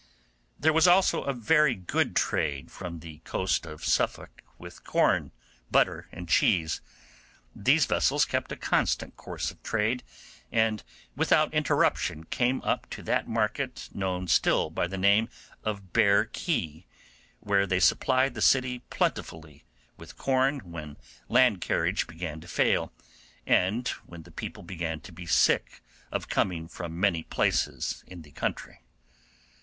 There was also a very good trade from the coast of Suffolk with corn, butter, and cheese; these vessels kept a constant course of trade, and without interruption came up to that market known still by the name of Bear Key, where they supplied the city plentifully with corn when land carriage began to fail, and when the people began to be sick of coming from many places in the country.